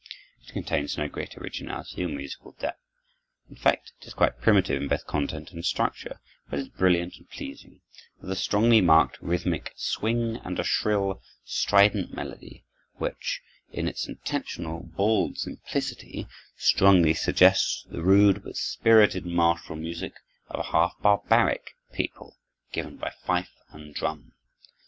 It contains no great originality or musical depth, in fact is quite primitive in both content and structure, but is brilliant and pleasing, with a strongly marked, rhythmic swing and a shrill, strident melody which, in its intentional, bald simplicity, strongly suggests the rude but spirited martial music of a half barbaric people, given by fife and drum.